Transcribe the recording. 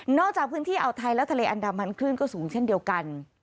จากพื้นที่อ่าวไทยและทะเลอันดามันคลื่นก็สูงเช่นเดียวกัน